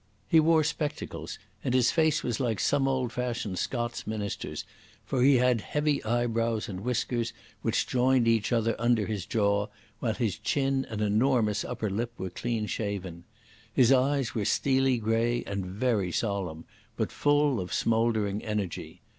He wore spectacles, and his face was like some old fashioned Scots minister's, for he had heavy eyebrows and whiskers which joined each other under his jaw, while his chin and enormous upper lip were clean shaven. His eyes were steely grey and very solemn, but full of smouldering energy.